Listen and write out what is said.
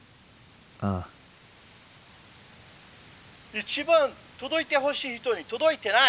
「一番届いてほしい人に届いてない？